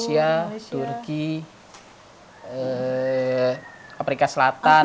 malaysia turki afrika selatan